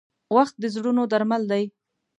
• وخت د زړونو درمل دی.